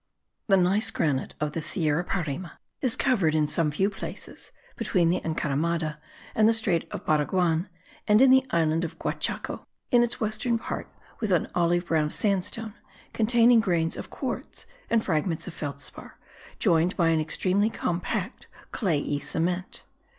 The gneiss granite of the Sierra Parime is covered in some few places (between the Encaramada and the strait of Baraguan and in the island of Guachaco) in its western part with an olive brown sandstone, containing grains of quartz and fragments of felspar, joined by an extremely compact clayey cement.